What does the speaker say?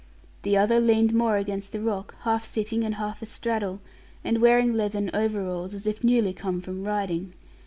The other leaned more against the rock, half sitting and half astraddle, and wearing leathern overalls, as if newly come from riding.